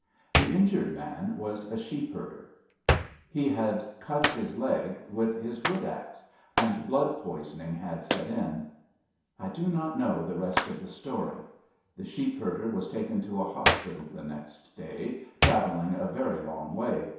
The injured man was a sheep herder. He had cut his leg with his wood axe, and blood poisoning had set in. I do not know the rest of that story. The sheep herder was taken to a hospital the next day, traveling a very long way.